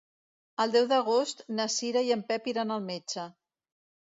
El deu d'agost na Cira i en Pep iran al metge.